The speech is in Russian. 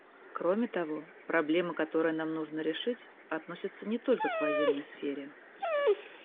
Кроме того, проблемы, которые нам нужно решить, относятся не только к военной сфере.